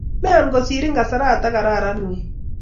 Mean kosirin kasaratak kararan we.